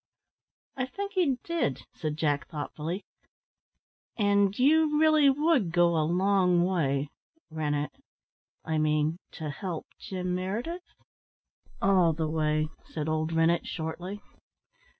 "I think he did," said Jack thoughtfully. "And you really would go a long way Rennett I mean, to help Jim Meredith?" "All the way," said old Rennett shortly.